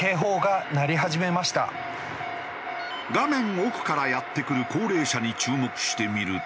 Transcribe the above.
画面奥からやって来る高齢者に注目してみると。